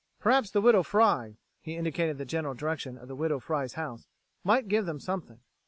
Perhaps the Widow Fry he indicated the general direction of the Widow Fry's house might give them something.